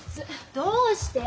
どうして？